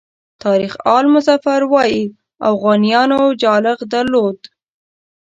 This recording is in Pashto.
تاریخ آل مظفر وایي اوغانیانو جالغ درلود.